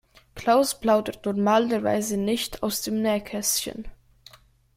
Klaus plaudert normalerweise nicht aus dem Nähkästchen.